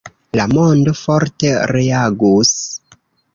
La mondo forte reagus.